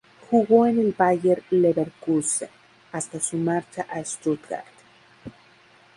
Jugó en el Bayer Leverkusen hasta su marcha al Stuttgart.